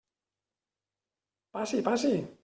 Passi, passi.